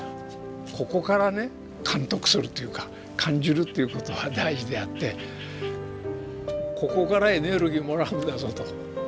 ここからね感得するというか感じるということが大事であってここからエネルギーもらうんだぞと。